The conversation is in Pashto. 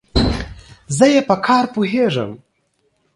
زه ئې په کار پوهېږم.